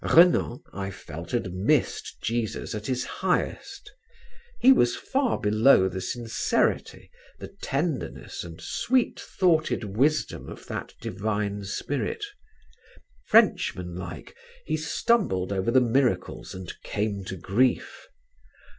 Renan I felt had missed Jesus at his highest. He was far below the sincerity, the tenderness and sweet thoughted wisdom of that divine spirit. Frenchman like, he stumbled over the miracles and came to grief.